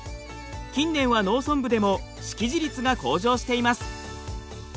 近年は農村部でも識字率が向上しています。